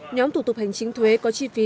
nhóm thủ tục hành chính thuế có chi phí